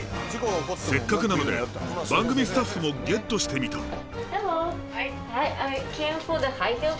せっかくなので番組スタッフもゲットしてみた。